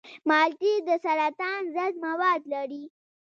مالټې د سرطان ضد مواد لري.